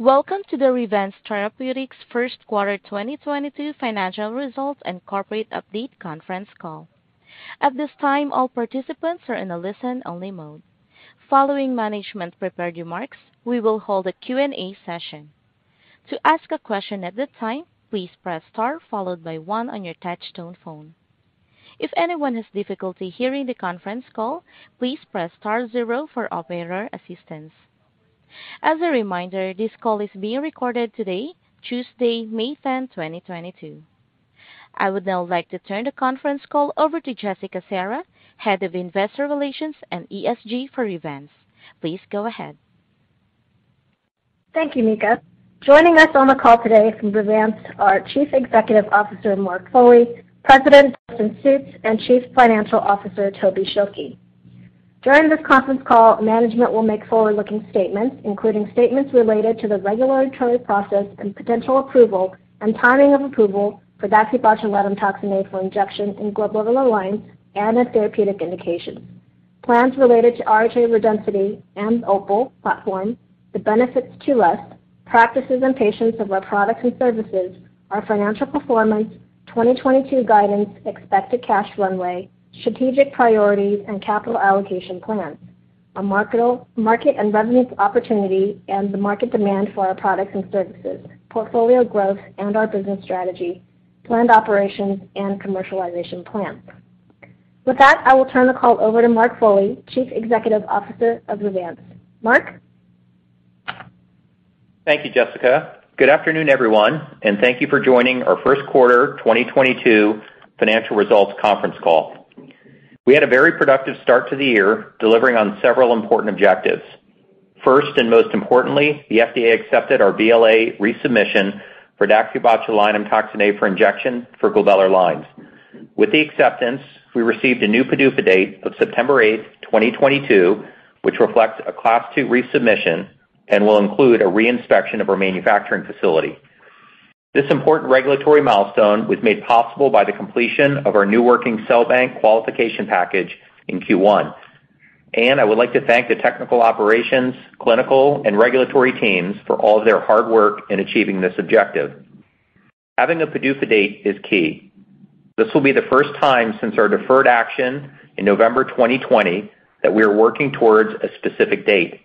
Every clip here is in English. Welcome to the Revance Therapeutics first quarter 2022 financial results and corporate update conference call. At this time, all participants are in a listen-only mode. Following management prepared remarks, we will hold a Q&A session. To ask a question at that time, please press star followed by one on your touch tone phone. If anyone has difficulty hearing the conference call, please press star zero for operator assistance. As a reminder, this call is being recorded today, Tuesday, May 10, 2022. I would now like to turn the conference call over to Jessica Serra, Head of Investor Relations and ESG for Revance. Please go ahead. Thank you, Nika. Joining us on the call today from Revance are Chief Executive Officer Mark Foley, President Dustin Sjuts, and Chief Financial Officer Tobin Schilke. During this conference call, management will make forward-looking statements, including statements related to the regulatory process and potential approval and timing of approval for DaxibotulinumtoxinA for Injection in glabellar lines and as therapeutic indications. Plans related to RHA Redensity and the OPUL platform, the benefits to aesthetic practices and patients of our products and services, our financial performance, 2022 guidance, expected cash runway, strategic priorities, and capital allocation plans, our market and revenue opportunity, and the market demand for our products and services, portfolio growth, and our business strategy, planned operations, and commercialization plans. With that, I will turn the call over to Mark Foley, Chief Executive Officer of Revance. Mark? Thank you, Jessica. Good afternoon, everyone, and thank you for joining our first quarter 2022 financial results conference call. We had a very productive start to the year, delivering on several important objectives. First, and most importantly, the FDA accepted our BLA resubmission for DaxibotulinumtoxinA for Injection for glabellar lines. With the acceptance, we received a new PDUFA date of September eighth, 2022, which reflects a Class 2 resubmission and will include a re-inspection of our manufacturing facility. This important regulatory milestone was made possible by the completion of our new working cell bank qualification package in Q1. I would like to thank the technical operations, clinical, and regulatory teams for all of their hard work in achieving this objective. Having a PDUFA date is key. This will be the first time since our deferred action in November 2020 that we are working towards a specific date.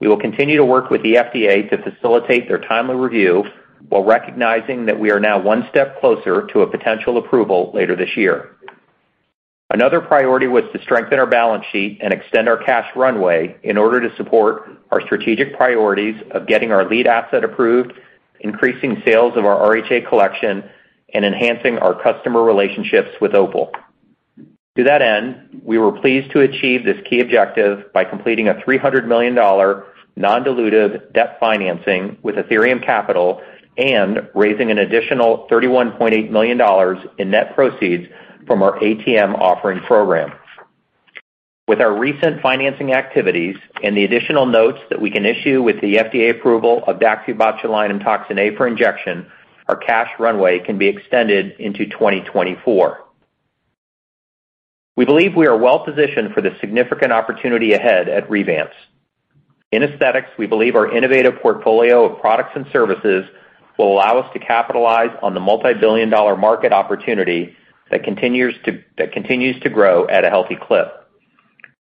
We will continue to work with the FDA to facilitate their timely review while recognizing that we are now one step closer to a potential approval later this year. Another priority was to strengthen our balance sheet and extend our cash runway in order to support our strategic priorities of getting our lead asset approved, increasing sales of our RHA Collection, and enhancing our customer relationships with OPUL. To that end, we were pleased to achieve this key objective by completing a $300 million non-dilutive debt financing with Athyrium Capital Management and raising an additional $31.8 million in net proceeds from our ATM offering program. With our recent financing activities and the additional notes that we can issue with the FDA approval of DaxibotulinumtoxinA for Injection, our cash runway can be extended into 2024. We believe we are well positioned for the significant opportunity ahead at Revance. In aesthetics, we believe our innovative portfolio of products and services will allow us to capitalize on the multi-billion-dollar market opportunity that continues to grow at a healthy clip.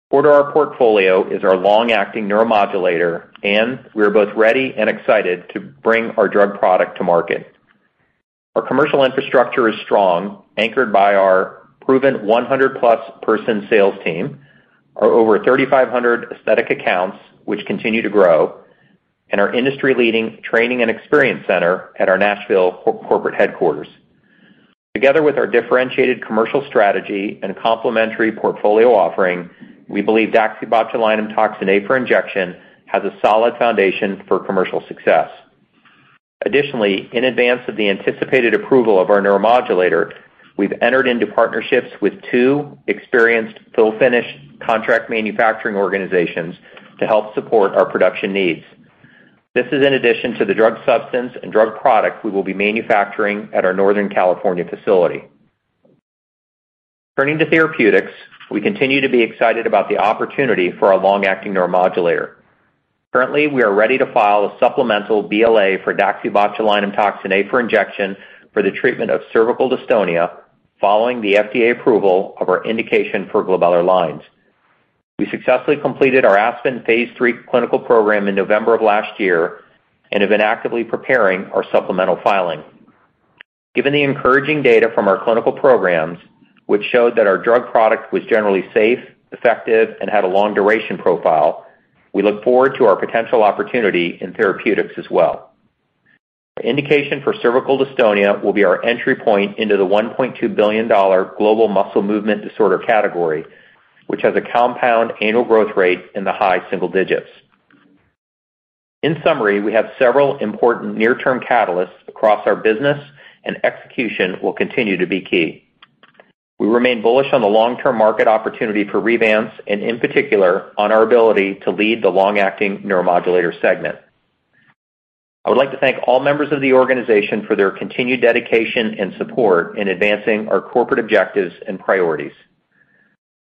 Core of our portfolio is our long-acting neuromodulator, and we're both ready and excited to bring our drug product to market. Our commercial infrastructure is strong, anchored by our proven 100+ person sales team, our over 3,500 aesthetic accounts, which continue to grow, and our industry-leading training and experience center at our Nashville corporate headquarters. Together with our differentiated commercial strategy and complementary portfolio offering, we believe DaxibotulinumtoxinA for Injection has a solid foundation for commercial success. Additionally, in advance of the anticipated approval of our neuromodulator, we've entered into partnerships with two experienced fill-finish contract manufacturing organizations to help support our production needs. This is in addition to the drug substance and drug product we will be manufacturing at our Northern California facility. Turning to therapeutics, we continue to be excited about the opportunity for our long-acting neuromodulator. Currently, we are ready to file a supplemental BLA for DaxibotulinumtoxinA for Injection for the treatment of cervical dystonia following the FDA approval of our indication for glabellar lines. We successfully completed our ASPEN Phase III clinical program in November of last year and have been actively preparing our supplemental filing. Given the encouraging data from our clinical programs, which showed that our drug product was generally safe, effective, and had a long duration profile, we look forward to our potential opportunity in therapeutics as well. The indication for cervical dystonia will be our entry point into the $1.2 billion global muscle movement disorder category, which has a compound annual growth rate in the high single digits. In summary, we have several important near-term catalysts across our business, and execution will continue to be key. We remain bullish on the long-term market opportunity for Revance, and in particular, on our ability to lead the long-acting neuromodulator segment. I would like to thank all members of the organization for their continued dedication and support in advancing our corporate objectives and priorities.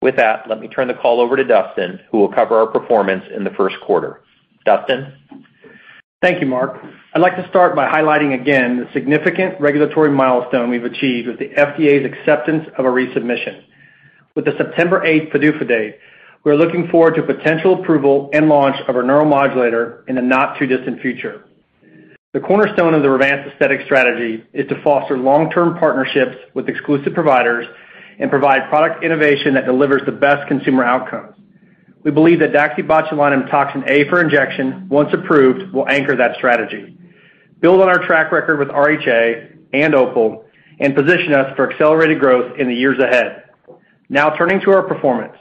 With that, let me turn the call over to Dustin, who will cover our performance in the first quarter. Dustin? Thank you, Mark. I'd like to start by highlighting again the significant regulatory milestone we've achieved with the FDA's acceptance of a resubmission. With the September eighth PDUFA date, we are looking forward to potential approval and launch of our neuromodulator in the not-too-distant future. The cornerstone of the Revance aesthetic strategy is to foster long-term partnerships with exclusive providers and provide product innovation that delivers the best consumer outcomes. We believe that DaxibotulinumtoxinA for Injection, once approved, will anchor that strategy, build on our track record with RHA and OPUL, and position us for accelerated growth in the years ahead. Now turning to our performance.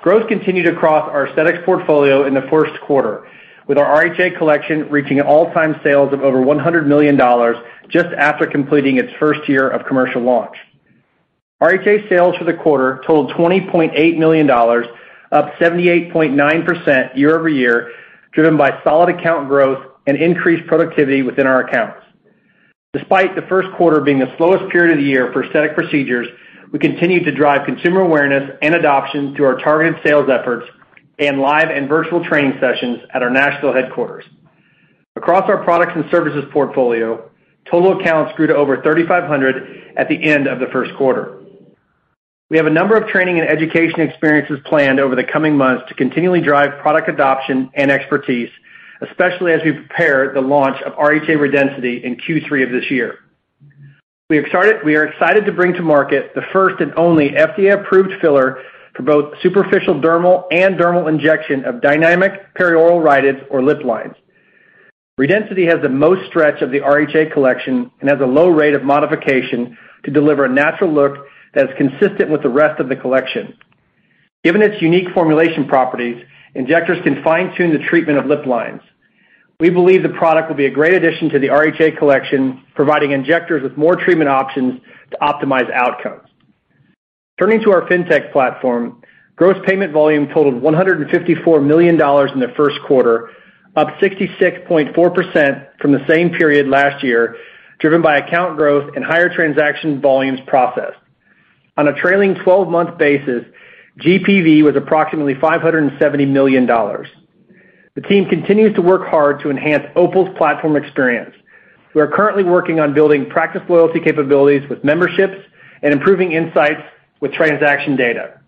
Growth continued across our aesthetics portfolio in the first quarter, with our RHA Collection reaching all-time sales of over $100 million just after completing its first year of commercial launch. RHA sales for the quarter totaled $20.8 million, up 78.9% year-over-year, driven by solid account growth and increased productivity within our accounts. Despite the first quarter being the slowest period of the year for aesthetic procedures, we continued to drive consumer awareness and adoption through our targeted sales efforts and live and virtual training sessions at our national headquarters. Across our products and services portfolio, total accounts grew to over 3,500 at the end of the first quarter. We have a number of training and education experiences planned over the coming months to continually drive product adoption and expertise, especially as we prepare the launch of RHA Redensity in Q3 of this year. We are excited to bring to market the first and only FDA-approved filler for both superficial dermal and dermal injection of dynamic perioral rhytids or lip lines. RHA Redensity has the most stretch of the RHA Collection and has a low rate of modification to deliver a natural look that is consistent with the rest of the collection. Given its unique formulation properties, injectors can fine-tune the treatment of lip lines. We believe the product will be a great addition to the RHA Collection, providing injectors with more treatment options to optimize outcomes. Turning to our fintech platform, gross payment volume totaled $154 million in the first quarter, up 66.4% from the same period last year, driven by account growth and higher transaction volumes processed. On a trailing twelve-month basis, GPV was approximately $570 million. The team continues to work hard to enhance OPUL's platform experience. We are currently working on building practice loyalty capabilities with memberships and improving insights with transaction data.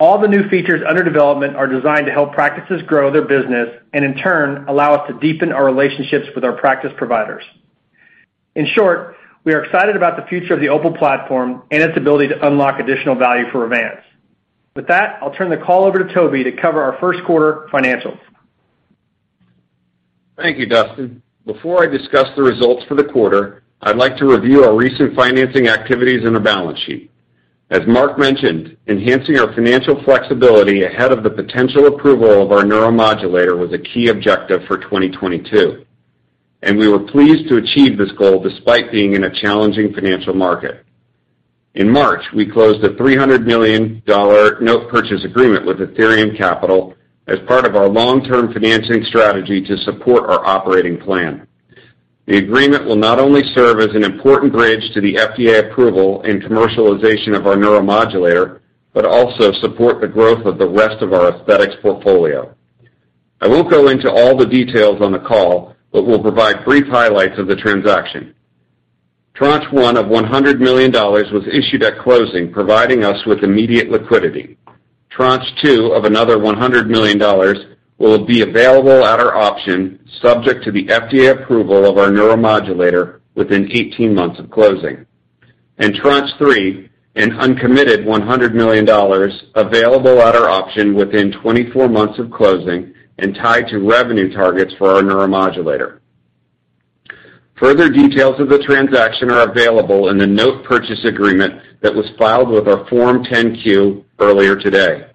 All the new features under development are designed to help practices grow their business and, in turn, allow us to deepen our relationships with our practice providers. In short, we are excited about the future of the OPUL platform and its ability to unlock additional value for Revance. With that, I'll turn the call over to Toby to cover our first quarter financials. Thank you, Dustin. Before I discuss the results for the quarter, I'd like to review our recent financing activities and the balance sheet. As Mark mentioned, enhancing our financial flexibility ahead of the potential approval of our neuromodulator was a key objective for 2022, and we were pleased to achieve this goal despite being in a challenging financial market. In March, we closed a $300 million note purchase agreement with Athyrium Capital Management as part of our long-term financing strategy to support our operating plan. The agreement will not only serve as an important bridge to the FDA approval and commercialization of our neuromodulator, but also support the growth of the rest of our aesthetics portfolio. I won't go into all the details on the call, but we'll provide brief highlights of the transaction. Tranche one of $100 million was issued at closing, providing us with immediate liquidity. Tranche two of another $100 million will be available at our option, subject to the FDA approval of our neuromodulator within 18 months of closing. Tranche three, an uncommitted $100 million available at our option within 24 months of closing and tied to revenue targets for our neuromodulator. Further details of the transaction are available in the note purchase agreement that was filed with our Form 10-Q earlier today.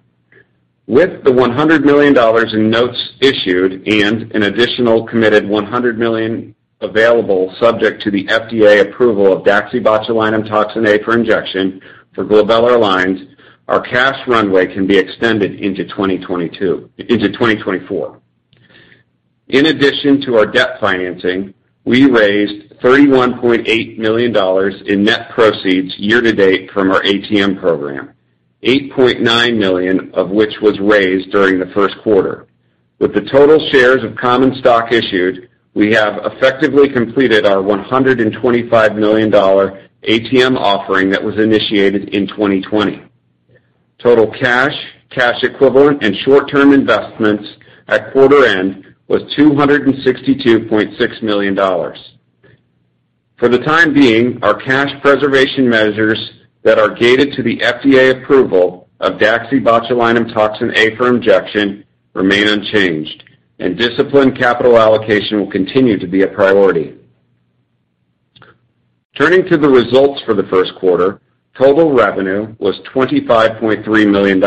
With the $100 million in notes issued and an additional committed $100 million available subject to the FDA approval of DaxibotulinumtoxinA for Injection for glabellar lines, our cash runway can be extended into 2024. In addition to our debt financing, we raised $31.8 million in net proceeds year to date from our ATM program, $8.9 million of which was raised during the first quarter. With the total shares of common stock issued, we have effectively completed our $125 million ATM offering that was initiated in 2020. Total cash equivalent, and short-term investments at quarter end was $262.6 million. For the time being, our cash preservation measures that are gated to the FDA approval of DaxibotulinumtoxinA for Injection remain unchanged, and disciplined capital allocation will continue to be a priority. Turning to the results for the first quarter, total revenue was $25.3 million,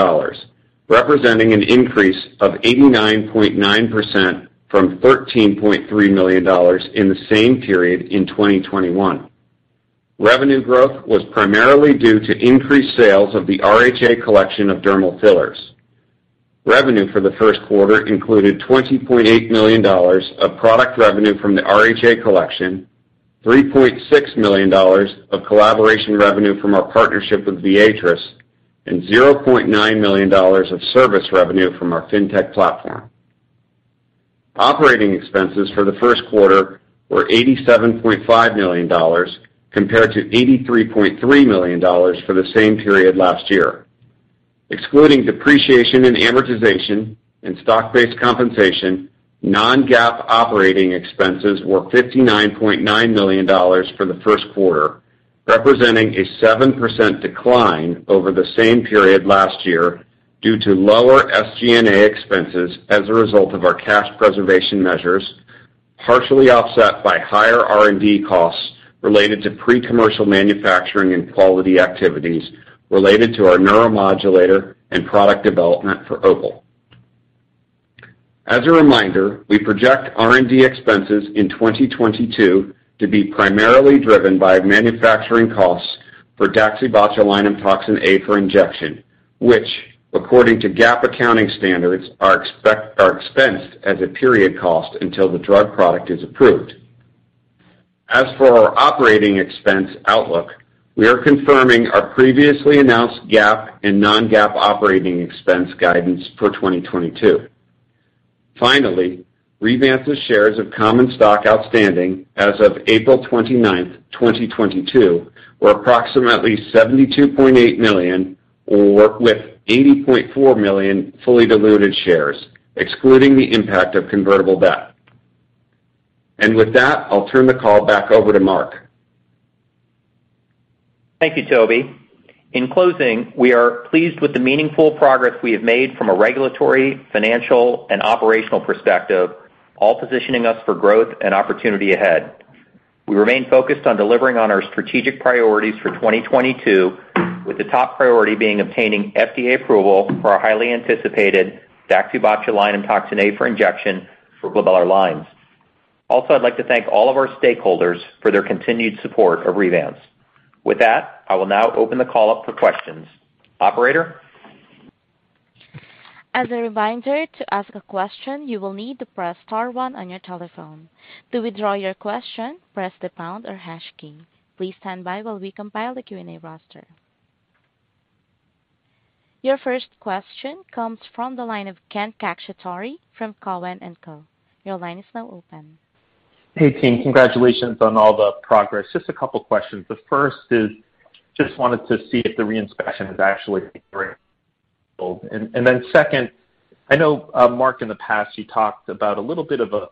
representing an increase of 89.9% from $13.3 million in the same period in 2021. Revenue growth was primarily due to increased sales of the RHA Collection of dermal fillers. Revenue for the first quarter included $20.8 million of product revenue from the RHA Collection, $3.6 million of collaboration revenue from our partnership with Viatris, and $0.9 million of service revenue from our fintech platform. Operating expenses for the first quarter were $87.5 million compared to $83.3 million for the same period last year. Excluding depreciation and amortization and stock-based compensation, non-GAAP operating expenses were $59.9 million for the first quarter, representing a 7% decline over the same period last year due to lower SG&A expenses as a result of our cash preservation measures, partially offset by higher R&D costs related to pre-commercial manufacturing and quality activities related to our neuromodulator and product development for OPUL. As a reminder, we project R&D expenses in 2022 to be primarily driven by manufacturing costs for DaxibotulinumtoxinA for injection, which according to GAAP accounting standards are expensed as a period cost until the drug product is approved. As for our operating expense outlook, we are confirming our previously announced GAAP and non-GAAP operating expense guidance for 2022. Finally, Revance's shares of common stock outstanding as of April 29, 2022, were approximately 72.8 million, or 80.4 million fully diluted shares, excluding the impact of convertible debt. With that, I'll turn the call back over to Mark. Thank you, Toby. In closing, we are pleased with the meaningful progress we have made from a regulatory, financial, and operational perspective, all positioning us for growth and opportunity ahead. We remain focused on delivering on our strategic priorities for 2022, with the top priority being obtaining FDA approval for our highly anticipated DaxibotulinumtoxinA for Injection for glabellar lines. Also, I'd like to thank all of our stakeholders for their continued support of Revance. With that, I will now open the call up for questions. Operator? As a reminder, to ask a question, you will need to press star one on your telephone. To withdraw your question, press the pound or hash key. Please stand by while we compile the Q&A roster. Your first question comes from the line of Ken Cacciatore from Cowen and Company. Your line is now open. Hey, team. Congratulations on all the progress. Just a couple of questions. The first is just wanted to see if the re-inspection has actually been through. Second, I know, Mark, in the past, you talked about a little bit of a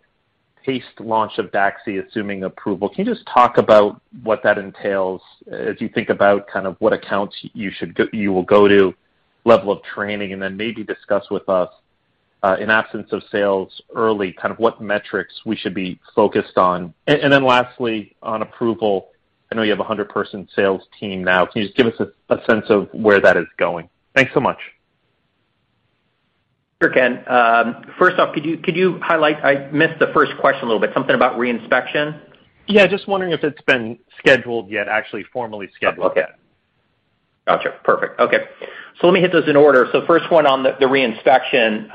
paced launch of DAXI assuming approval. Can you just talk about what that entails as you think about kind of what accounts you will go to, level of training, and then maybe discuss with us, in absence of sales early, kind of what metrics we should be focused on. Lastly, on approval, I know you have a 100-person sales team now. Can you just give us a sense of where that is going? Thanks so much. Sure, Ken. First off, could you highlight? I missed the first question a little bit. Something about re-inspection? Yeah, just wondering if it's been scheduled yet, actually formally scheduled. Okay. Got you. Perfect. Okay. Let me hit those in order. First one on the re-inspection.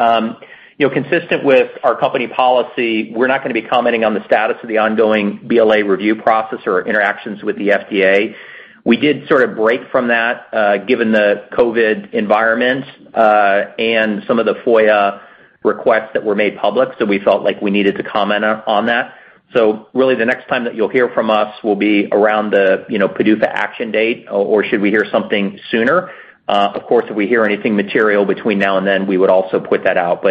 You know, consistent with our company policy, we're not gonna be commenting on the status of the ongoing BLA review process or interactions with the FDA. We did sort of break from that, given the COVID environment, and some of the FOIA requests that were made public, so we felt like we needed to comment on that. Really the next time that you'll hear from us will be around the, you know, PDUFA action date, or should we hear something sooner. Of course, if we hear anything material between now and then, we would also put that out.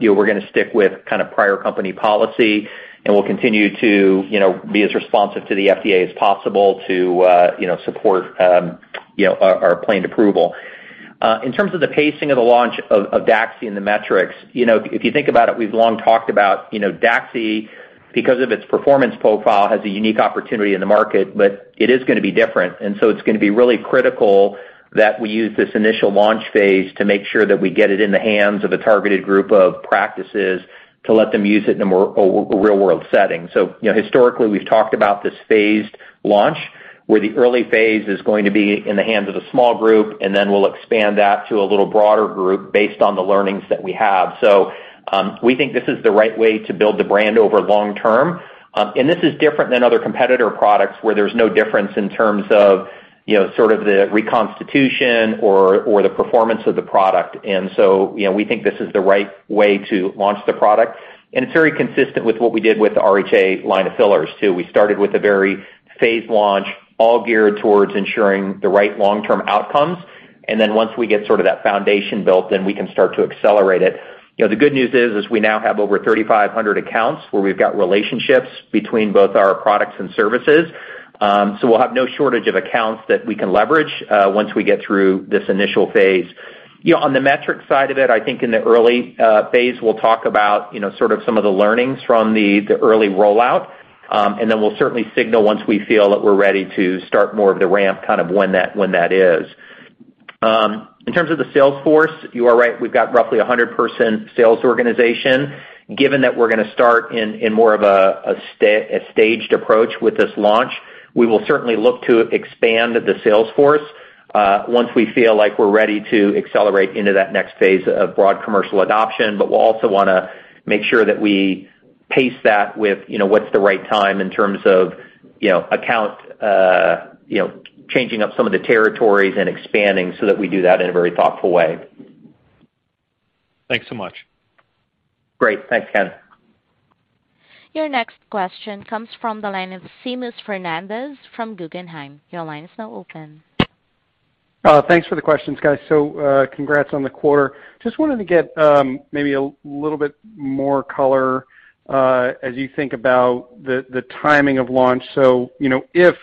You know, we're gonna stick with kind of prior company policy, and we'll continue to, you know, be as responsive to the FDA as possible to, you know, support, you know, our planned approval. In terms of the pacing of the launch of DAXI and the metrics, you know, if you think about it, we've long talked about, you know, DAXI, because of its performance profile, has a unique opportunity in the market, but it is gonna be different. It's gonna be really critical that we use this initial launch phase to make sure that we get it in the hands of a targeted group of practices to let them use it in a real-world setting. You know, historically, we've talked about this phased launch, where the early phase is going to be in the hands of a small group, and then we'll expand that to a little broader group based on the learnings that we have. We think this is the right way to build the brand over long term. This is different than other competitor products where there's no difference in terms of, you know, sort of the reconstitution or the performance of the product. You know, we think this is the right way to launch the product. It's very consistent with what we did with the RHA line of fillers, too. We started with a very phased launch, all geared towards ensuring the right long-term outcomes. Once we get sort of that foundation built, then we can start to accelerate it. You know, the good news is we now have over 3,500 accounts where we've got relationships between both our products and services. We'll have no shortage of accounts that we can leverage once we get through this initial phase. You know, on the metric side of it, I think in the early phase, we'll talk about you know, sort of some of the learnings from the early rollout. We'll certainly signal once we feel that we're ready to start more of the ramp, kind of when that is. In terms of the sales force, you are right. We've got roughly a 100-person sales organization. Given that we're gonna start in more of a staged approach with this launch, we will certainly look to expand the sales force. Once we feel like we're ready to accelerate into that next phase of broad commercial adoption. We'll also wanna make sure that we pace that with, you know, what's the right time in terms of, you know, account, you know, changing up some of the territories and expanding so that we do that in a very thoughtful way. Thanks so much. Great. Thanks, Ken. Your next question comes from the line of Seamus Fernandez from Guggenheim. Your line is now open. Thanks for the questions, guys. Congrats on the quarter. Just wanted to get, maybe a little bit more color, as you think about the timing of launch. You know, if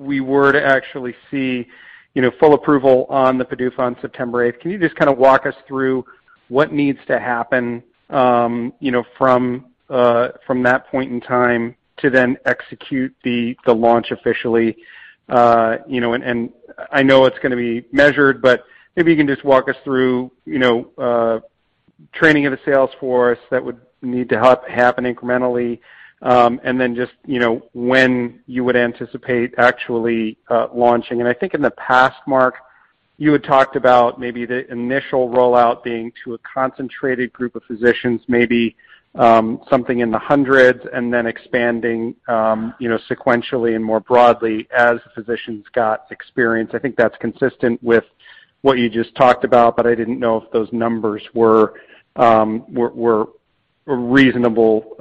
we were to actually see, you know, full approval on the PDUFA on September 8, can you just kinda walk us through what needs to happen, you know, from that point in time to then execute the launch officially? You know, and I know it's gonna be measured, but maybe you can just walk us through, you know, training of the sales force that would need to happen incrementally. And then just, you know, when you would anticipate actually launching. I think in the past, Mark, you had talked about maybe the initial rollout being to a concentrated group of physicians, maybe something in the hundreds, and then expanding sequentially and more broadly as physicians got experience. I think that's consistent with what you just talked about, but I didn't know if those numbers were a reasonable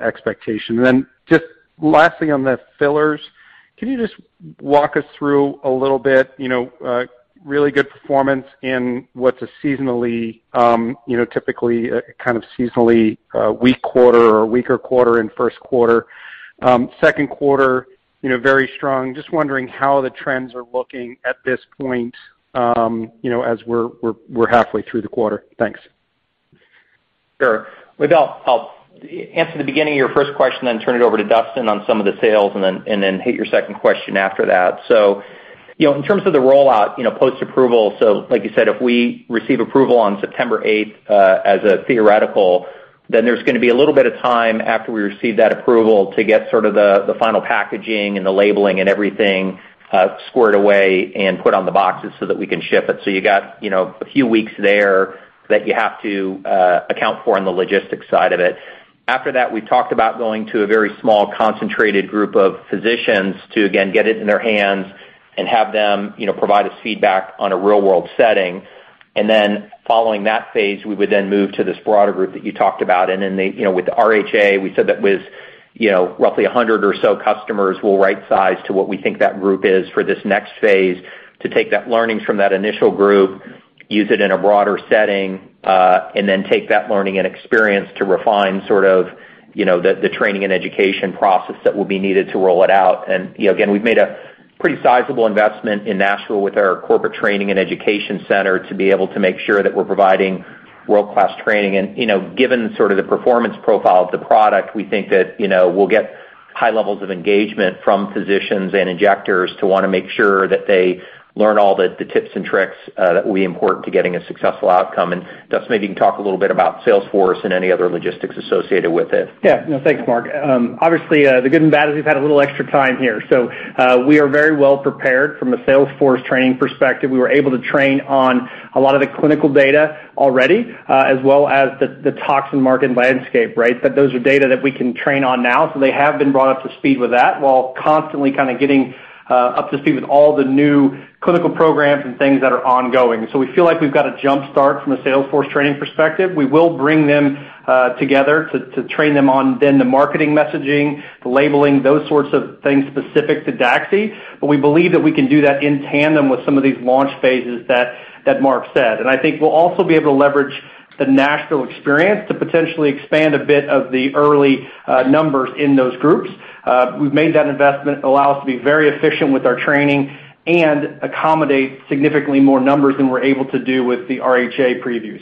expectation. Then just lastly on the fillers, can you just walk us through a little bit, really good performance in what's seasonally typically a kind of seasonally weak quarter or a weaker quarter in first quarter. Second quarter, very strong. Just wondering how the trends are looking at this point, as we're halfway through the quarter. Thanks. Sure. Maybe I'll answer the beginning of your first question, then turn it over to Dustin on some of the sales and then hit your second question after that. You know, in terms of the rollout, you know, post-approval, like you said, if we receive approval on September eighth, theoretically, then there's gonna be a little bit of time after we receive that approval to get the final packaging and the labeling and everything squared away and put on the boxes so that we can ship it. You got, you know, a few weeks there that you have to account for on the logistics side of it. After that, we talked about going to a very small concentrated group of physicians to again, get it in their hands and have them, you know, provide us feedback on a real-world setting. Following that phase, we would then move to this broader group that you talked about. They, you know, with RHA, we said that with, you know, roughly 100 or so customers, we'll right size to what we think that group is for this next phase to take that learnings from that initial group, use it in a broader setting, and then take that learning and experience to refine sort of, you know, the training and education process that will be needed to roll it out. You know, again, we've made a pretty sizable investment in Nashville with our corporate training and education center to be able to make sure that we're providing world-class training. You know, given sort of the performance profile of the product, we think that, you know, we'll get high levels of engagement from physicians and injectors to wanna make sure that they learn all the tips and tricks that will be important to getting a successful outcome. Dustin, maybe you can talk a little bit about sales force and any other logistics associated with it. Yeah. No, thanks, Mark. Obviously, the good and bad is we've had a little extra time here. We are very well prepared from a sales force training perspective. We were able to train on a lot of the clinical data already, as well as the toxin market landscape, right? Those are data that we can train on now, so they have been brought up to speed with that while constantly kinda getting up to speed with all the new clinical programs and things that are ongoing. We feel like we've got a jump start from a sales force training perspective. We will bring them together to train them on then the marketing messaging, the labeling, those sorts of things specific to DAXI. We believe that we can do that in tandem with some of these launch phases that Mark said. I think we'll also be able to leverage the national experience to potentially expand a bit of the early numbers in those groups. We've made that investment allow us to be very efficient with our training and accommodate significantly more numbers than we're able to do with the RHA preview.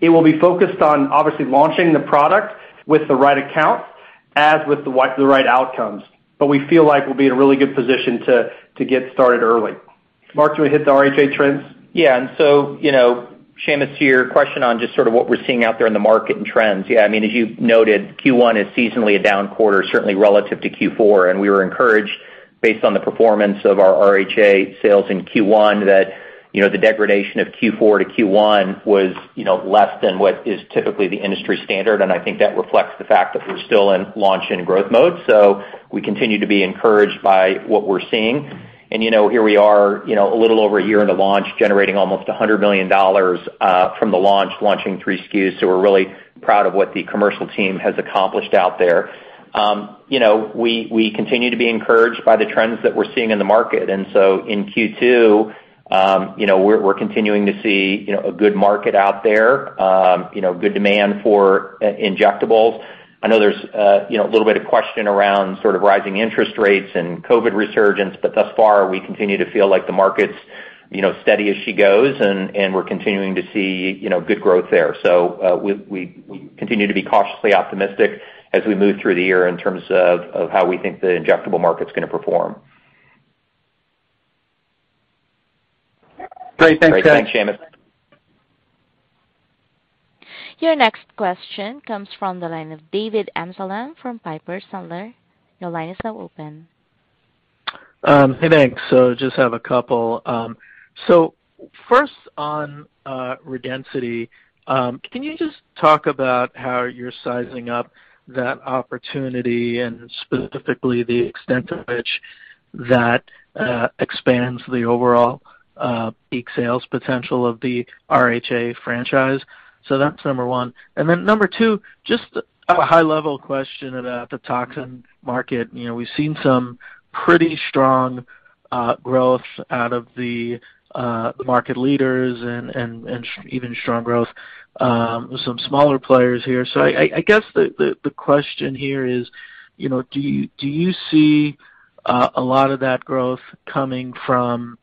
It will be focused on obviously launching the product with the right accounts as with the right outcomes. We feel like we'll be in a really good position to get started early. Mark, do you wanna hit the RHA trends? Yeah. You know, Seamus, to your question on just sort of what we're seeing out there in the market and trends. Yeah, I mean, as you noted, Q1 is seasonally a down quarter, certainly relative to Q4. We were encouraged based on the performance of our RHA sales in Q1 that, you know, the degradation of Q4 to Q1 was, you know, less than what is typically the industry standard. I think that reflects the fact that we're still in launch and growth mode. We continue to be encouraged by what we're seeing. You know, here we are, you know, a little over a year into launch, generating almost $100 million from the launch, launching three SKUs. We're really proud of what the commercial team has accomplished out there. You know, we continue to be encouraged by the trends that we're seeing in the market. In Q2, you know, we're continuing to see, you know, a good market out there, you know, good demand for injectables. I know there's, you know, a little bit of question around sort of rising interest rates and COVID resurgence, but thus far we continue to feel like the market's, you know, steady as she goes and we're continuing to see, you know, good growth there. We continue to be cautiously optimistic as we move through the year in terms of how we think the injectable market's gonna perform. Great. Thanks, guys. Great. Thanks, Seamus. Your next question comes from the line of David Amsellem from Piper Sandler. Your line is now open. Hey, thanks. Just have a couple. First on RHA Redensity, can you just talk about how you're sizing up that opportunity and specifically the extent to which that expands the overall peak sales potential of the RHA franchise? That's number one. Number two, just a high-level question about the toxin market. You know, we've seen some pretty strong growth out of the market leaders and even strong growth with some smaller players here. I guess the question here is, you know, do you see a lot of that growth coming from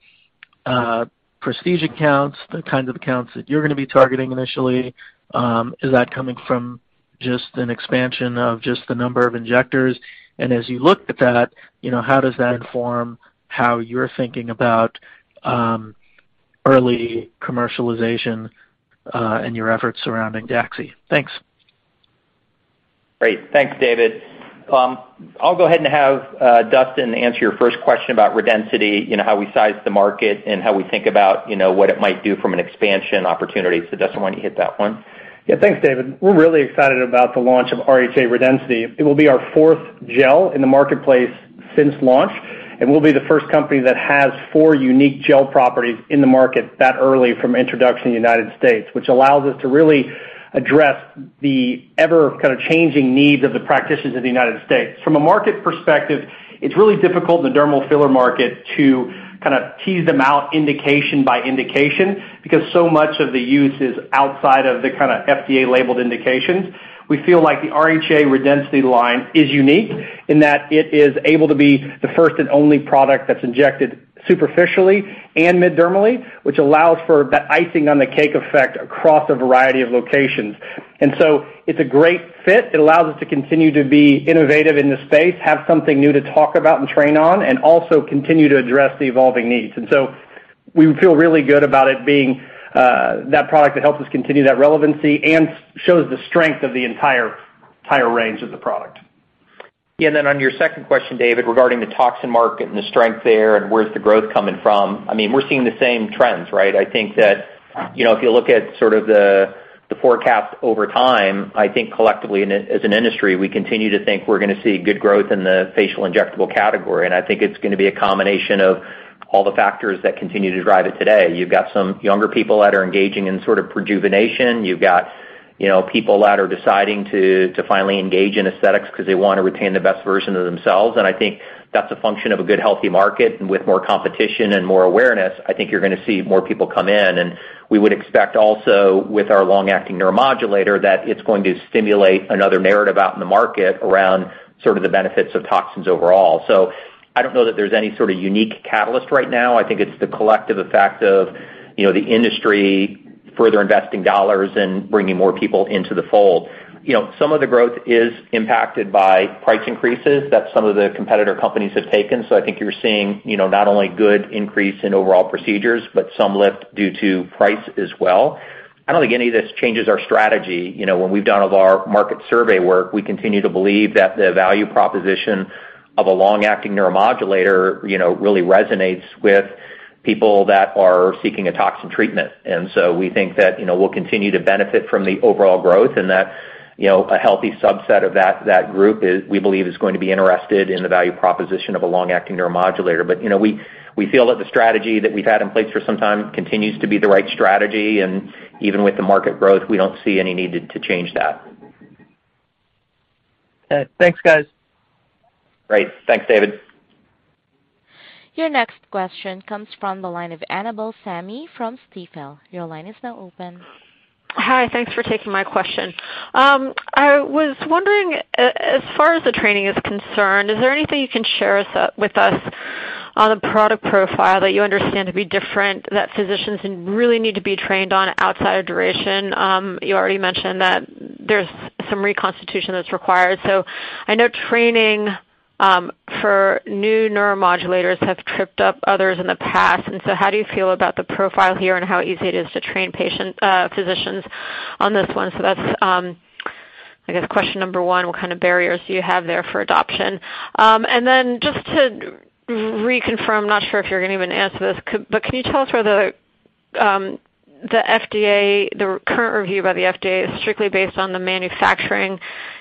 prestige accounts, the kind of accounts that you're gonna be targeting initially? Is that coming from just an expansion of just the number of injectors? As you look at that, you know, how does that inform how you're thinking about early commercialization and your efforts surrounding DAXXIFY? Thanks. Great. Thanks, David. I'll go ahead and have Dustin answer your first question about Redensity, you know, how we size the market and how we think about, you know, what it might do from an expansion opportunity. Dustin, why don't you hit that one? Yeah, thanks, David. We're really excited about the launch of RHA Redensity. It will be our fourth gel in the marketplace since launch, and we'll be the first company that has four unique gel properties in the market that early from introduction in the United States, which allows us to really address the ever kind of changing needs of the practitioners in the United States. From a market perspective, it's really difficult in the dermal filler market to kind of tease them out indication by indication because so much of the use is outside of the kind of FDA labeled indications. We feel like the RHA Redensity line is unique in that it is able to be the first and only product that's injected superficially and mid-dermally, which allows for that icing on the cake effect across a variety of locations. It's a great fit. It allows us to continue to be innovative in the space, have something new to talk about and train on, and also continue to address the evolving needs. We feel really good about it being that product that helps us continue that relevancy and shows the strength of the entire range of the product. Yeah, on your second question, David, regarding the toxin market and the strength there and where's the growth coming from, I mean, we're seeing the same trends, right? I think that, you know, if you look at sort of the forecast over time, I think collectively as an industry, we continue to think we're gonna see good growth in the facial injectable category. I think it's gonna be a combination of all the factors that continue to drive it today. You've got some younger people that are engaging in sort of rejuvenation. You've got, you know, people that are deciding to finally engage in aesthetics because they wanna retain the best version of themselves, and I think that's a function of a good, healthy market. With more competition and more awareness, I think you're gonna see more people come in. We would expect also with our long-acting neuromodulator that it's going to stimulate another narrative out in the market around sort of the benefits of toxins overall. I don't know that there's any sort of unique catalyst right now. I think it's the collective effect of, you know, the industry further investing dollars and bringing more people into the fold. You know, some of the growth is impacted by price increases that some of the competitor companies have taken. I think you're seeing, you know, not only good increase in overall procedures, but some lift due to price as well. I don't think any of this changes our strategy. You know, when we've done all our market survey work, we continue to believe that the value proposition of a long-acting neuromodulator, you know, really resonates with people that are seeking a toxin treatment. We think that, you know, we'll continue to benefit from the overall growth and that, you know, a healthy subset of that group is, we believe, going to be interested in the value proposition of a long-acting neuromodulator. You know, we feel that the strategy that we've had in place for some time continues to be the right strategy. Even with the market growth, we don't see any need to change that. Thanks, guys. Great. Thanks, David. Your next question comes from the line of Annabel Samimy from Stifel. Your line is now open. Hi. Thanks for taking my question. I was wondering, as far as the training is concerned, is there anything you can share with us on the product profile that you understand to be different that physicians really need to be trained on outside of duration? You already mentioned that there's some reconstitution that's required. I know training for new neuromodulators have tripped up others in the past. How do you feel about the profile here and how easy it is to train practicing physicians on this one? That's, I guess, question number one. What kind of barriers do you have there for adoption? Just to reconfirm, not sure if you're gonna even answer this, but can you tell us whether the FDA, the current review by the FDA is strictly based on the manufacturing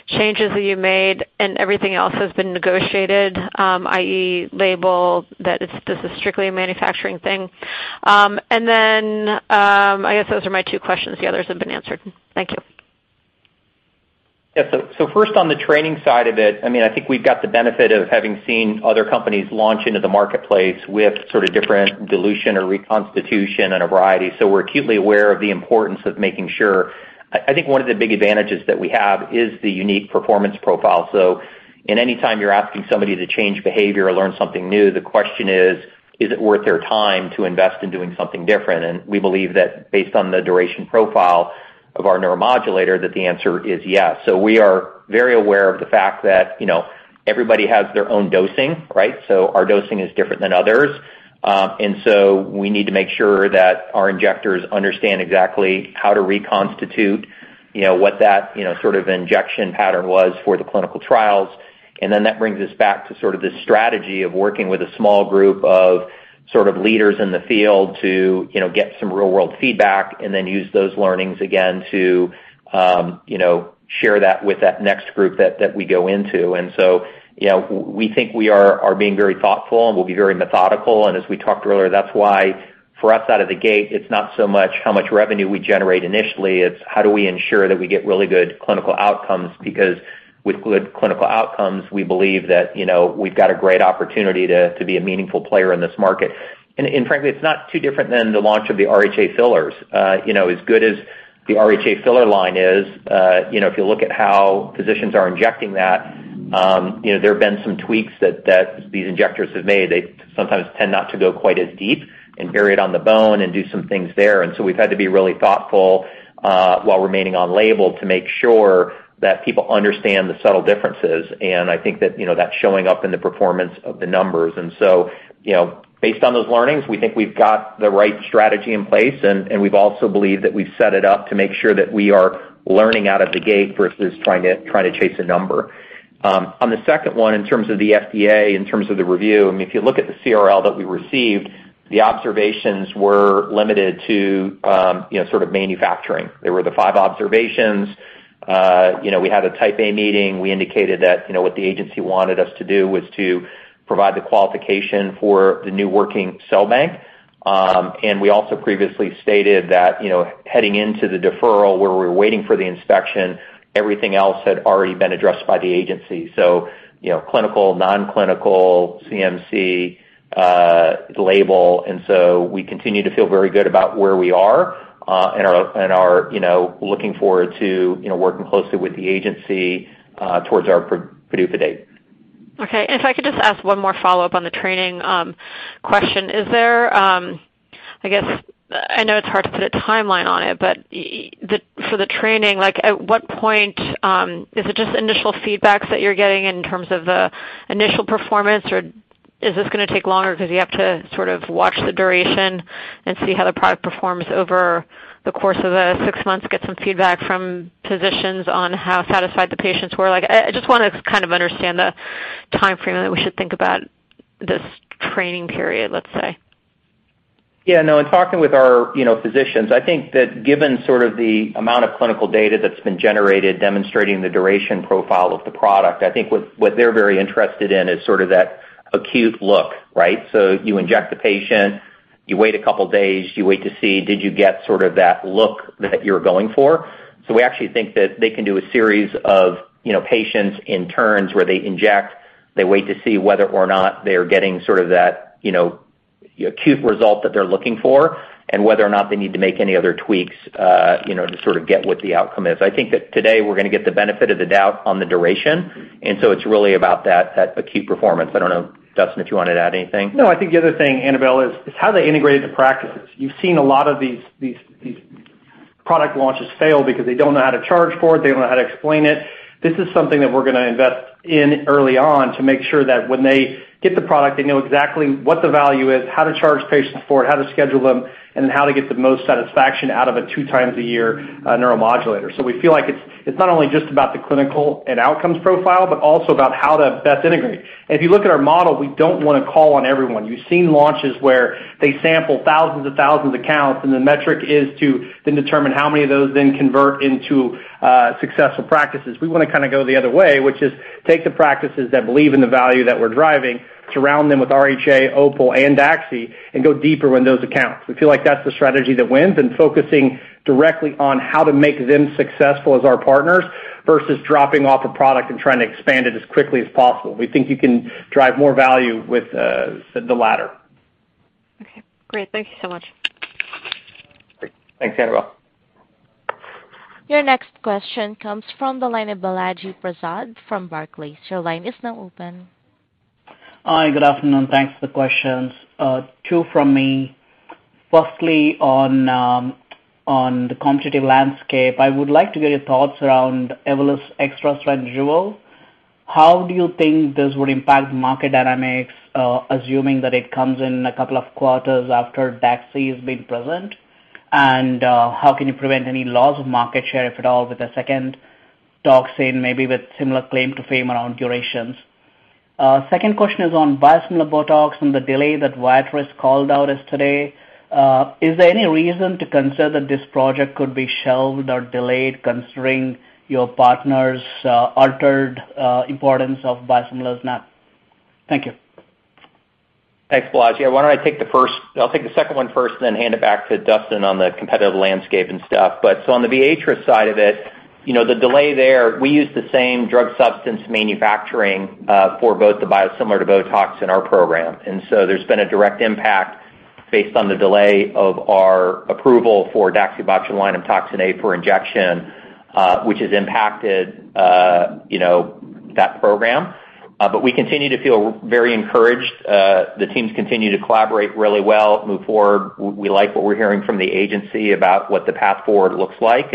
changes that you made and everything else has been negotiated, i.e., this is strictly a manufacturing thing? I guess those are my two questions. The others have been answered. Thank you. Yeah. First on the training side of it, I mean, I think we've got the benefit of having seen other companies launch into the marketplace with sort of different dilution or reconstitution and a variety. We're acutely aware of the importance of making sure I think one of the big advantages that we have is the unique performance profile. In any time you're asking somebody to change behavior or learn something new, the question is it worth their time to invest in doing something different? We believe that based on the duration profile of our neuromodulator that the answer is yes. We are very aware of the fact that, you know, everybody has their own dosing, right? Our dosing is different than others. We need to make sure that our injectors understand exactly how to reconstitute, you know, what that, you know, sort of injection pattern was for the clinical trials. Then that brings us back to sort of the strategy of working with a small group of sort of leaders in the field to, you know, get some real-world feedback and then use those learnings again to, you know, share that with that next group that we go into. You know, we think we are being very thoughtful and we'll be very methodical. As we talked earlier, that's why for us out of the gate, it's not so much how much revenue we generate initially, it's how do we ensure that we get really good clinical outcomes? Because with good clinical outcomes, we believe that, you know, we've got a great opportunity to be a meaningful player in this market. Frankly, it's not too different than the launch of the RHA fillers. You know, as good as the RHA filler line is, you know, if you look at how physicians are injecting that, you know, there have been some tweaks that these injectors have made. They sometimes tend not to go quite as deep and bury it on the bone and do some things there. We've had to be really thoughtful while remaining on label to make sure that people understand the subtle differences. I think that, you know, that's showing up in the performance of the numbers. You know, based on those learnings, we think we've got the right strategy in place, and we've also believed that we've set it up to make sure that we are learning out of the gate versus trying to chase a number. On the second one, in terms of the FDA, in terms of the review, I mean, if you look at the CRL that we received, the observations were limited to, you know, sort of manufacturing. There were the five observations. You know, we had a Type A meeting. We indicated that, you know, what the agency wanted us to do was to provide the qualification for the new working cell bank. We also previously stated that, you know, heading into the deferral where we were waiting for the inspection, everything else had already been addressed by the agency, so, you know, clinical, non-clinical, CMC, label. We continue to feel very good about where we are, and are, you know, looking forward to, you know, working closely with the agency, towards our PDUFA date. Okay. If I could just ask one more follow-up on the training, question. Is there, I guess I know it's hard to put a timeline on it, but for the training, like, at what point, is it just initial feedbacks that you're getting in terms of the initial performance, or is this gonna take longer 'cause you have to sort of watch the duration and see how the product performs over the course of the six months, get some feedback from physicians on how satisfied the patients were? Like, I just wanna kind of understand the timeframe that we should think about this training period, let's say. Yeah, no, in talking with our, you know, physicians, I think that given sort of the amount of clinical data that's been generated demonstrating the duration profile of the product, I think what they're very interested in is sort of that acute look, right? You inject the patient, you wait a couple days, you wait to see did you get sort of that look that you're going for. We actually think that they can do a series of, you know, patients in turns where they inject, they wait to see whether or not they are getting sort of that, you know, acute result that they're looking for and whether or not they need to make any other tweaks, you know, to sort of get what the outcome is. I think that today we're gonna get the benefit of the doubt on the duration, and so it's really about that acute performance. I don't know, Dustin, if you wanted to add anything? No, I think the other thing, Annabel, is how they integrated the practices. You've seen a lot of these product launches fail because they don't know how to charge for it, they don't know how to explain it. This is something that we're gonna invest in early on to make sure that when they get the product, they know exactly what the value is, how to charge patients for it, how to schedule them, and how to get the most satisfaction out of a two times a year neuromodulator. So we feel like it's not only just about the clinical and outcomes profile, but also about how to best integrate. If you look at our model, we don't wanna call on everyone. You've seen launches where they sample thousands and thousands of accounts, and the metric is to then determine how many of those then convert into successful practices. We wanna kinda go the other way, which is take the practices that believe in the value that we're driving, surround them with RHA, OPUL, and DAXI, and go deeper in those accounts. We feel like that's the strategy that wins, and focusing directly on how to make them successful as our partners versus dropping off a product and trying to expand it as quickly as possible. We think you can drive more value with the latter. Okay. Great. Thank you so much. Great. Thanks, Annabel. Your next question comes from the line of Balaji Prasad from Barclays. Your line is now open. Hi. Good afternoon. Thanks for the questions. Two from me. Firstly, on the competitive landscape, I would like to get your thoughts around Evolus extra strength Jeuveau. How do you think this would impact market dynamics, assuming that it comes in a couple of quarters after DAXI has been present? And how can you prevent any loss of market share, if at all, with a second toxin, maybe with similar claim to fame around durations? Second question is on biosimilar BOTOX and the delay that Viatris called out yesterday. Is there any reason to consider that this project could be shelved or delayed considering your partner's altered importance of biosimilar Znac? Thank you. Thanks, Balaji. I'll take the second one first, then hand it back to Dustin on the competitive landscape and stuff. On the Viatris side of it, you know, the delay there, we use the same drug substance manufacturing for both the biosimilar to BOTOX in our program. There's been a direct impact based on the delay of our approval for DaxibotulinumtoxinA for Injection, which has impacted, you know, that program. We continue to feel very encouraged. The teams continue to collaborate really well, move forward. We like what we're hearing from the agency about what the path forward looks like.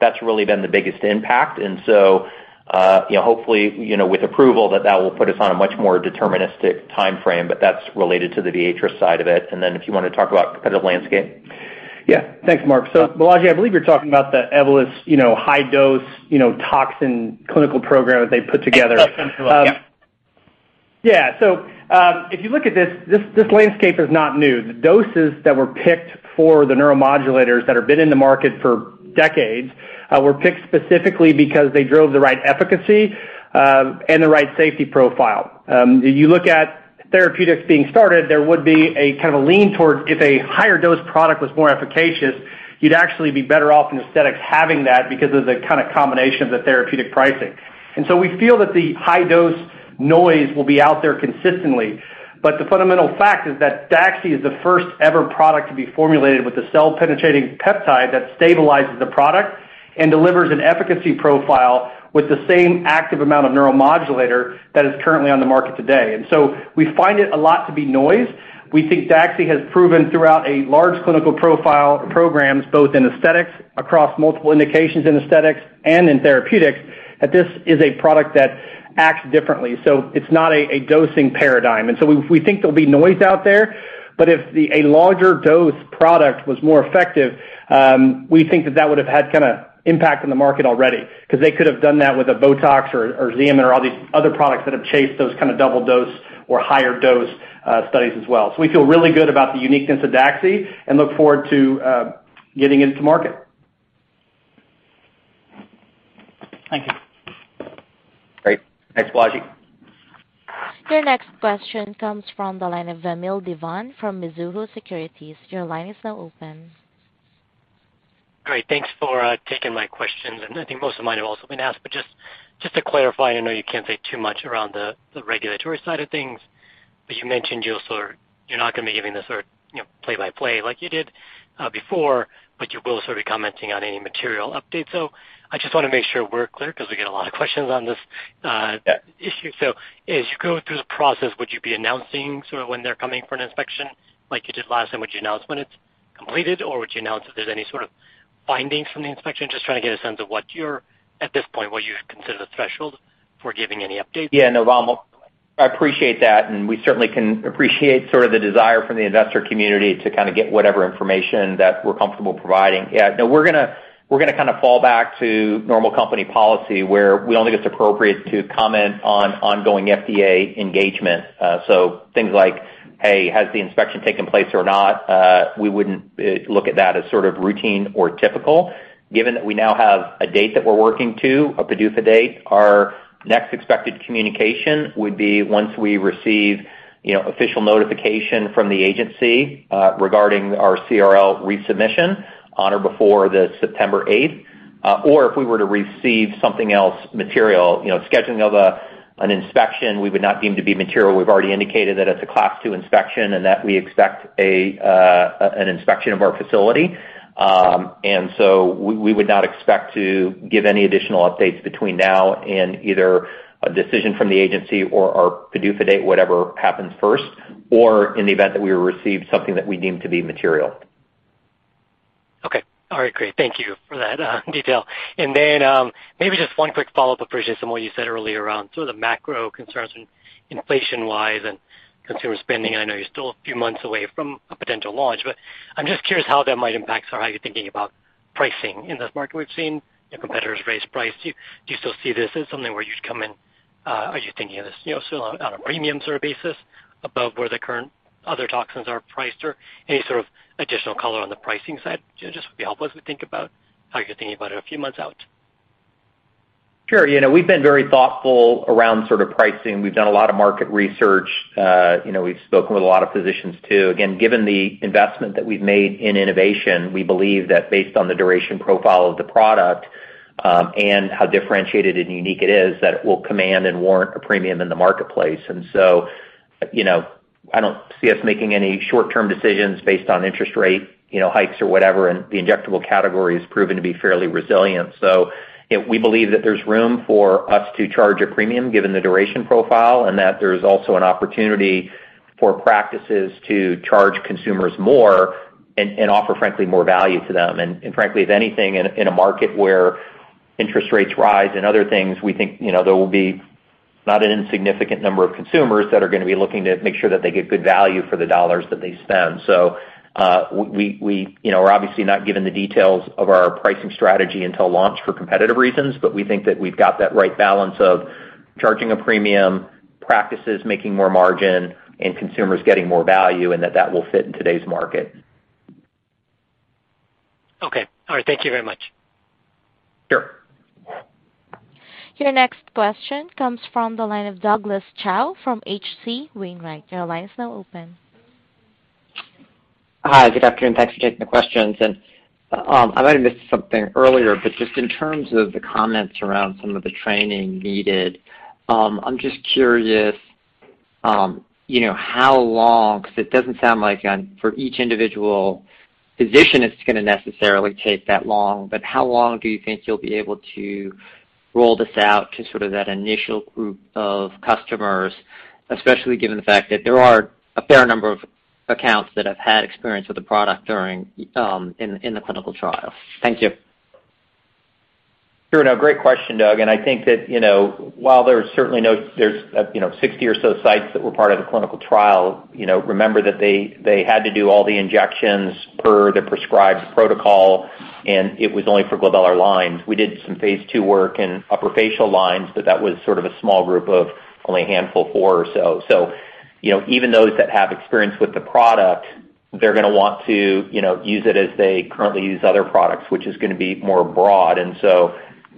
That's really been the biggest impact. You know, hopefully, you know, with approval, that will put us on a much more deterministic timeframe, but that's related to the Viatris side of it. If you wanna talk about competitive landscape? Yeah. Thanks, Mark. So Balaji, I believe you're talking about the Evolus, you know, high dose, you know, toxin clinical program that they put together. That's what I'm talking about, yep. Yeah. If you look at this landscape is not new. The doses that were picked for the neuromodulators that have been in the market for decades were picked specifically because they drove the right efficacy and the right safety profile. You look at therapeutics being started, there would be a kind of lean towards if a higher dose product was more efficacious, you'd actually be better off in aesthetics having that because of the kinda combination of the therapeutic pricing. We feel that the high dose noise will be out there consistently. The fundamental fact is that DAXI is the first ever product to be formulated with the cell-penetrating peptide that stabilizes the product and delivers an efficacy profile with the same active amount of neuromodulator that is currently on the market today. We find it a lot to be noise. We think DAXI has proven throughout a large clinical profile programs, both in aesthetics, across multiple indications in aesthetics and in therapeutics, that this is a product that acts differently. It's not a dosing paradigm. We think there'll be noise out there, but if a larger dose product was more effective, we think that would've had kinda impact on the market already. Because they could have done that with a BOTOX or XEOMIN or all these other products that have chased those kind of double dose or higher dose studies as well. We feel really good about the uniqueness of DAXI and look forward to getting it to market. Thank you. Great. Thanks, Balaji. Your next question comes from the line of Vamil Divan from Mizuho Securities. Your line is now open. Great. Thanks for taking my questions, and I think most of mine have also been asked. Just to clarify, I know you can't say too much around the regulatory side of things, but you mentioned you're not gonna be giving the sort of, you know, play-by-play like you did before, but you will sort of be commenting on any material updates. I just wanna make sure we're clear 'cause we get a lot of questions on this issue. As you go through the process, would you be announcing sort of when they're coming for an inspection like you did last time? Would you announce when it's completed, or would you announce if there's any sort of findings from the inspection? Just trying to get a sense of what you're, at this point, what you consider the threshold for giving any updates. Yeah, no, Vamil, I appreciate that, and we certainly can appreciate sort of the desire from the investor community to kinda get whatever information that we're comfortable providing. Yeah, no, we're gonna kinda fall back to normal company policy, where we don't think it's appropriate to comment on ongoing FDA engagement. So things like, hey, has the inspection taken place or not? We wouldn't look at that as sort of routine or typical. Given that we now have a date that we're working to, a PDUFA date, our next expected communication would be once we receive, you know, official notification from the agency, regarding our CRL resubmission on or before the September eighth. Or if we were to receive something else material. You know, scheduling of an inspection, we would not deem to be material. We've already indicated that it's a Class 2 inspection and that we expect an inspection of our facility. We would not expect to give any additional updates between now and either a decision from the agency or our PDUFA date, whatever happens first, or in the event that we receive something that we deem to be material. Okay. All right, great. Thank you for that, detail. Maybe just one quick follow-up. I appreciate some of what you said earlier around sort of the macro concerns from inflation-wise and consumer spending. I know you're still a few months away from a potential launch, but I'm just curious how that might impact sort of how you're thinking about pricing in this market. We've seen your competitors raise price. Do you still see this as something where you'd come in, are you thinking of this, still on a premium sort of basis above where the current other toxins are priced? Or any sort of additional color on the pricing side just would be helpful as we think about how you're thinking about it a few months out. Sure. You know, we've been very thoughtful around sort of pricing. We've done a lot of market research. You know, we've spoken with a lot of physicians, too. Again, given the investment that we've made in innovation, we believe that based on the duration profile of the product, and how differentiated and unique it is, that it will command and warrant a premium in the marketplace. You know, I don't see us making any short-term decisions based on interest rate, you know, hikes or whatever, and the injectable category has proven to be fairly resilient. You know, we believe that there's room for us to charge a premium given the duration profile and that there's also an opportunity for practices to charge consumers more and offer frankly more value to them. Frankly, if anything in a market where interest rates rise and other things, we think, you know, there will be not an insignificant number of consumers that are gonna be looking to make sure that they get good value for the dollars that they spend. We, you know, are obviously not giving the details of our pricing strategy until launch for competitive reasons, but we think that we've got that right balance of charging a premium, practices making more margin, and consumers getting more value, and that will fit in today's market. Okay. All right. Thank you very much. Sure. Your next question comes from the line of Douglas Tsao from H.C. Wainwright. Your line is now open. Hi. Good afternoon. Thanks for taking the questions. I might have missed something earlier, but just in terms of the comments around some of the training needed, I'm just curious, you know, how long, 'cause it doesn't sound like, for each individual physician it's gonna necessarily take that long. How long do you think you'll be able to roll this out to sort of that initial group of customers, especially given the fact that there are a fair number of accounts that have had experience with the product during in the clinical trial? Thank you. Sure. No, great question, Doug. I think that, you know, while there's certainly, you know, 60 or so sites that were part of the clinical trial, you know, remember that they had to do all the injection per the prescribed protocol, and it was only for glabellar lines. We did some Phase II work in upper facial lines, but that was sort of a small group of only a handful, 4 or so. You know, even those that have experience with the product, they're gonna want to, you know, use it as they currently use other products, which is gonna be more broad.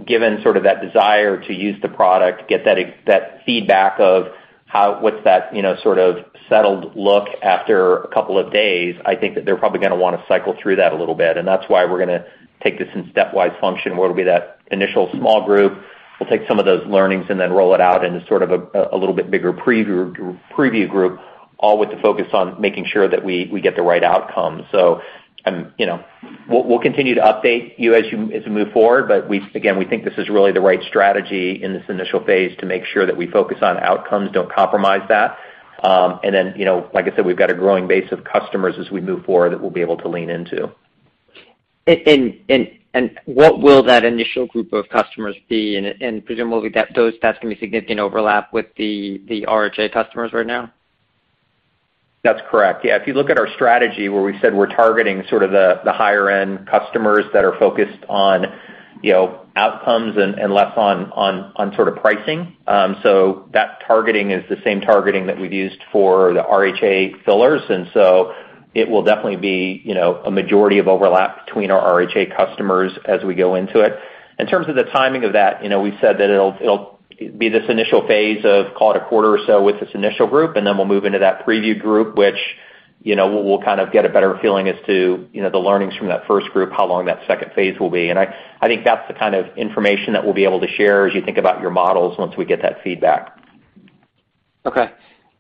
Given sort of that desire to use the product, get that feedback of how what's that, you know, sort of settled look after a couple of days, I think that they're probably gonna wanna cycle through that a little bit. That's why we're gonna take this in stepwise function, where it'll be that initial small group. We'll take some of those learnings and then roll it out into sort of a little bit bigger preview group, all with the focus on making sure that we get the right outcome. You know, we'll continue to update you as we move forward, but again, we think this is really the right strategy in this initial phase to make sure that we focus on outcomes, don't compromise that. You know, like I said, we've got a growing base of customers as we move forward that we'll be able to lean into. What will that initial group of customers be? Presumably that those that's gonna be significant overlap with the RHA customers right now? That's correct. Yeah. If you look at our strategy where we said we're targeting the higher end customers that are focused on, you know, outcomes and less on sort of pricing. That targeting is the same targeting that we've used for the RHA fillers. It will definitely be, you know, a majority of overlap between our RHA customers as we go into it. In terms of the timing of that, you know, we've said that it'll be this initial phase of call it a quarter or so with this initial group, and then we'll move into that preview group, which, you know, we'll kind of get a better feeling as to, you know, the learnings from that first group, how long that second phase will be. I think that's the kind of information that we'll be able to share as you think about your models once we get that feedback. Okay.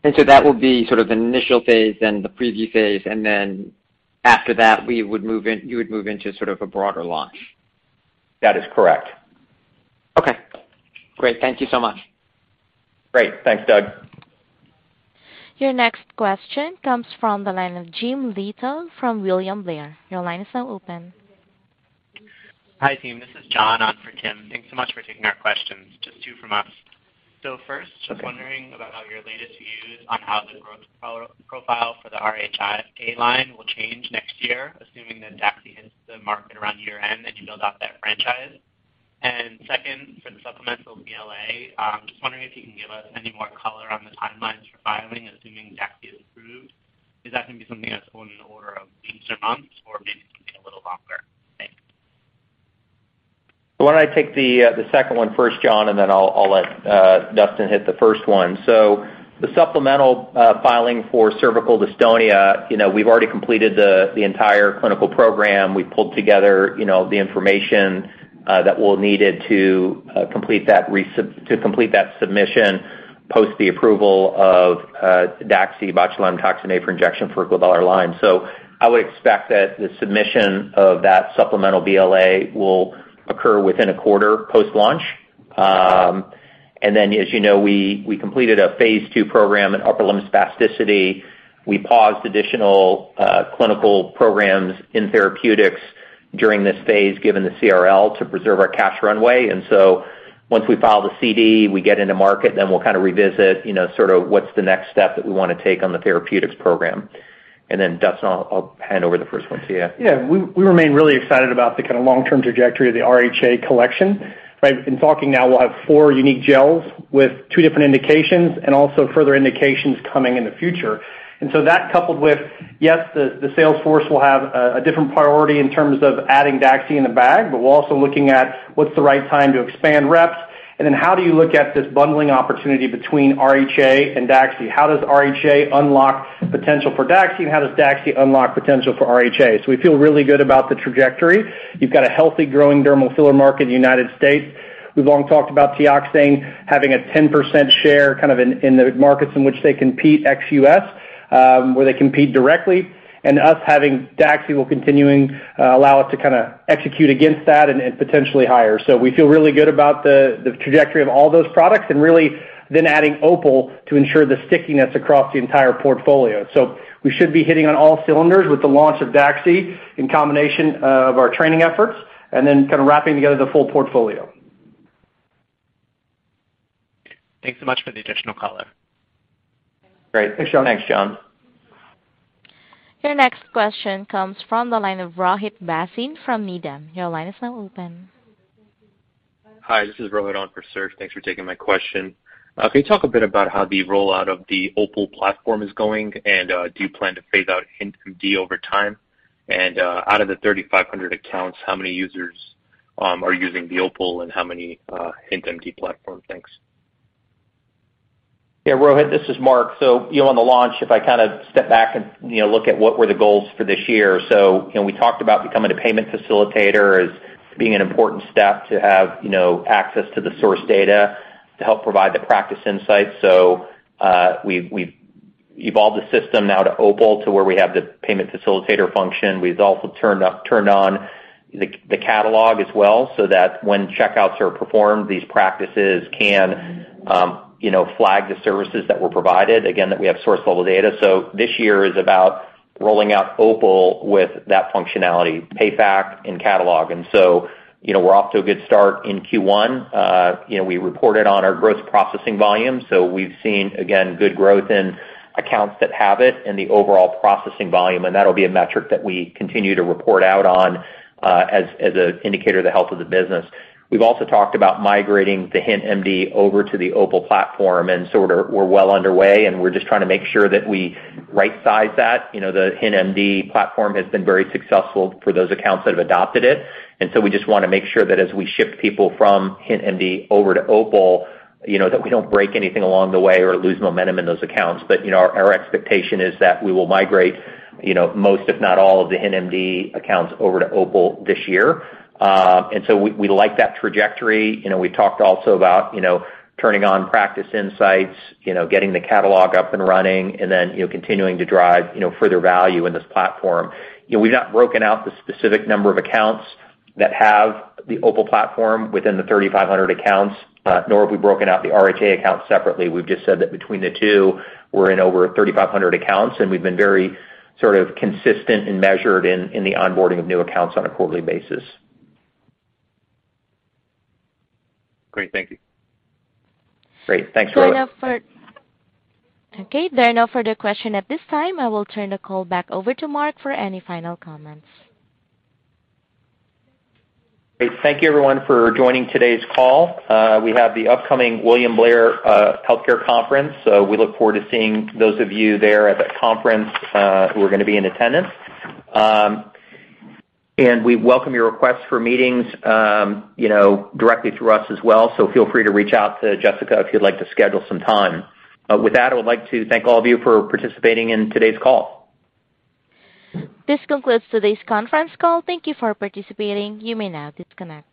That will be sort of the initial phase, then the preview phase, and then after that you would move into sort of a broader launch. That is correct. Okay, great. Thank you so much. Great. Thanks, Doug. Your next question comes from the line of Tim Lugo from William Blair. Your line is now open. Hi, team. This is John on for Tim. Thanks so much for taking our questions. Just two from us. First- Okay. Just wondering about how your latest views on how the growth profile for the RHA line will change next year, assuming that DAXI hits the market around year-end and you build out that franchise. Second, for the supplemental BLA, just wondering if you can give us any more color on the timelines for filing, assuming DAXI is approved. Is that gonna be something that's on the order of weeks or months or maybe something a little longer? Thanks. Why don't I take the second one first, John, and then I'll let Dustin hit the first one. The supplemental filing for cervical dystonia, we've already completed the entire clinical program. We've pulled together the information that we need to complete that submission, post the approval of DAXI botulinum toxin A for injection for glabellar lines. I would expect that the submission of that supplemental BLA will occur within a quarter post-launch. Then we completed a Phase II program in upper limb spasticity. We paused additional clinical programs in therapeutics during this phase, given the CRL, to preserve our cash runway. Once we file the CD, we get into market, then we'll kinda revisit, you know, sort of what's the next step that we wanna take on the therapeutics program. Then Dustin, I'll hand over the first one to you. Yeah. We remain really excited about the kinda long-term trajectory of the RHA® Collection, right? In talking now, we'll have four unique gels with two different indications and also further indications coming in the future. That coupled with, yes, the sales force will have a different priority in terms of adding DAXI in the bag, but we're also looking at what's the right time to expand reps, and then how do you look at this bundling opportunity between RHA and DAXI? How does RHA unlock potential for DAXI, and how does DAXI unlock potential for RHA? We feel really good about the trajectory. You've got a healthy growing dermal filler market in the United States. We've long talked about Teoxane having a 10% share kind of in the markets in which they compete ex-US, where they compete directly. Us having DAXI will continue allow us to kinda execute against that and potentially higher. We feel really good about the trajectory of all those products and really then adding OPUL to ensure the stickiness across the entire portfolio. We should be hitting on all cylinders with the launch of DAXI in combination of our training efforts and then kind of wrapping together the full portfolio. Thanks so much for the additional color. Great. Thanks, John. Thanks, John. Your next question comes from the line of Rohit Bhasin from Needham. Your line is now open. Hi, this is Rohit on for Serge. Thanks for taking my question. Can you talk a bit about how the rollout of the OPUL platform is going, and do you plan to phase out HintMD over time? Out of the 3,500 accounts, how many users are using the OPUL and how many HintMD platform? Thanks. Yeah, Rohit, this is Mark. You know, on the launch, if I kind of step back and, you know, look at what were the goals for this year. You know, we talked about becoming a payment facilitator as being an important step to have, you know, access to the source data to help provide the practice insights. We've evolved the system now to OPUL to where we have the payment facilitator function. We've also turned on the catalog as well, so that when checkouts are performed, these practices can, you know, flag the services that were provided, again, that we have source-level data. This year is about rolling out OPUL with that functionality, payback and catalog. You know, we're off to a good start in Q1. You know, we reported on our gross processing volume. We've seen, again, good growth in accounts that have it and the overall processing volume, and that'll be a metric that we continue to report out on, as a indicator of the health of the business. We've also talked about migrating the HintMD over to the OPUL platform, and so we're well underway, and we're just trying to make sure that we right-size that. You know, the HintMD platform has been very successful for those accounts that have adopted it. We just wanna make sure that as we shift people from HintMD over to OPUL, you know, that we don't break anything along the way or lose momentum in those accounts. You know, our expectation is that we will migrate, you know, most, if not all, of the HintMD accounts over to OPUL this year. We like that trajectory. You know, we talked also about, you know, turning on practice insights, you know, getting the catalog up and running and then, you know, continuing to drive, you know, further value in this platform. You know, we've not broken out the specific number of accounts that have the OPUL platform within the 3,500 accounts, nor have we broken out the RHA account separately. We've just said that between the two, we're in over 3,500 accounts, and we've been very sort of consistent and measured in the onboarding of new accounts on a quarterly basis. Great. Thank you. Great. Thanks, Rohit. Okay. There are no further questions at this time. I will turn the call back over to Mark for any final comments. Great. Thank you everyone for joining today's call. We have the upcoming William Blair healthcare conference. We look forward to seeing those of you there at that conference, who are gonna be in attendance. We welcome your request for meetings, you know, directly through us as well. Feel free to reach out to Jessica if you'd like to schedule some time. With that, I would like to thank all of you for participating in today's call. This concludes today's conference call. Thank you for participating. You may now disconnect.